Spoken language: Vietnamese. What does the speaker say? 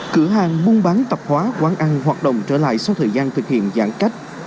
cửa hàng buôn bán tập hóa quán ăn hoạt động trở lại sau thời gian thực hiện giãn cách